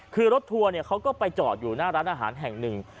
คือรถทัวร์เขาก็ไปจอดอยู่หน้าร้านอาหารแห่งหนึ่ง